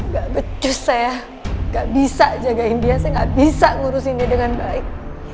gak becus saya gak bisa jagain dia saya gak bisa ngurusin dia dengan baik